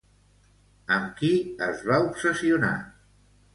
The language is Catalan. Amb qui es va obsessionar?